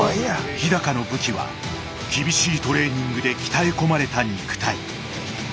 日高の武器は厳しいトレーニングで鍛え込まれた肉体。